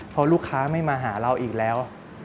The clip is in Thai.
เพราะลูกค้าไม่มาหาเราอีกแล้ว